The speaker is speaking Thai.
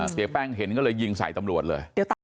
เสียแป้งเห็นก็เลยยิงใส่ตำรวจเลย